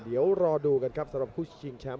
เดี๋ยวรอดูกันครับสำหรับคู่ชิงแชมป์